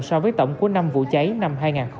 so với tổng của năm vụ cháy năm hai nghìn hai mươi